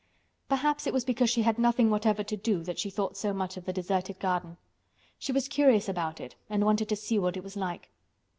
Perhaps it was because she had nothing whatever to do that she thought so much of the deserted garden. She was curious about it and wanted to see what it was like.